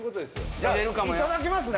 じゃあいただきますね！